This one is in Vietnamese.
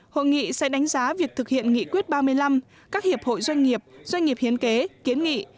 hội nghị sẽ đánh giá việc thực hiện nghị quyết ba mươi năm các hiệp hội doanh nghiệp doanh nghiệp hiến kế kiến nghị